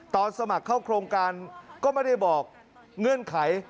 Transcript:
สมัครเข้าโครงการก็ไม่ได้บอกเงื่อนไข